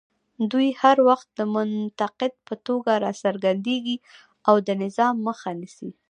دوی هر وخت د منتقد په توګه راڅرګندېږي او د نظام مخه نیسي